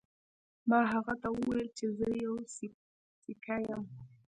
ما هغه ته وویل چې زه یو سیکه یم.